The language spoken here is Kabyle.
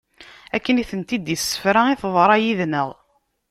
Akken i tent-id-issefra i teḍra yid-nneɣ.